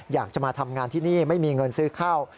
อยากจะมาทำงานที่นี่ไม่มีเงินซื้อข้าว